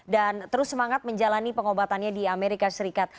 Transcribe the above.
dan terus semangat menjalani pengobatannya di amerika serikat